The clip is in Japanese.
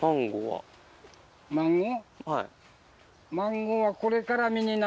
はい。